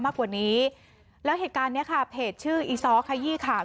มากกว่านี้แล้วเหตุการณ์เนี้ยค่ะเพจชื่ออีซ้อขยี้ข่าว